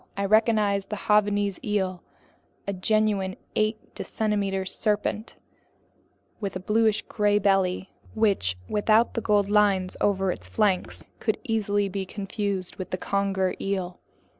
I recognized the Javanese eel, a genuine eight decimeter serpent with a bluish gray belly, which, without the gold lines over its flanks, could easily be confused with the conger eel.